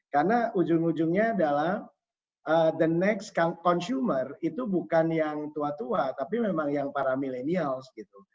karena ujung ujungnya adalah the next consumer itu bukan yang tua tua tapi memang yang para milenial gitu